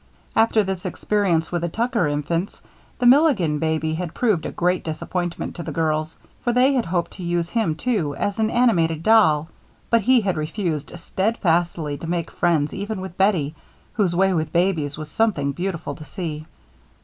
After this experience with the Tucker infants, the Milligan baby had proved a great disappointment to the girls, for they had hoped to use him, too, as an animated doll; but he had refused steadfastly to make friends even with Bettie, whose way with babies was something beautiful to see.